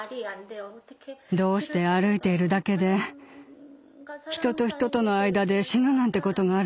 どうして歩いているだけで人と人との間で死ぬなんてことがあるんですか。